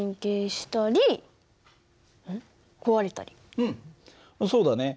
うんそうだね。